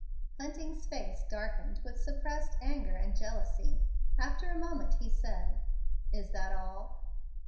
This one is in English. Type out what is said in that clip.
Hunting's face darkened with suppressed anger and jealousy. After a moment he said, "Is that all?"